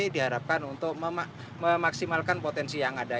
diharapkan untuk memaksimalkan potensi yang ada